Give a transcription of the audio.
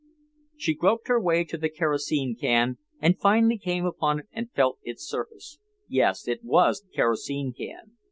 She groped her way to the kerosene can and finally came upon it and felt its surface. Yes, it was the kerosene can.